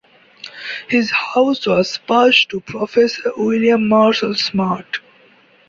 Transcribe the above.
His house was passed to Prof William Marshall Smart.